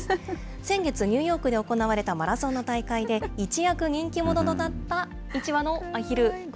先月、ニューヨークで行われたマラソンの大会で一躍人気者となった１羽のアヒル。